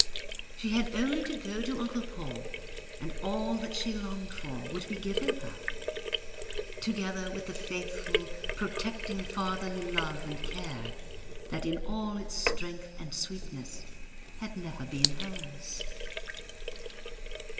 She had only to go to Uncle Paul and all that she longed for would be given her, together with the faithful, protecting fatherly love and care that in all its strength and sweetness had never been hers.